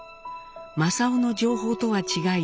正雄の情報とは違い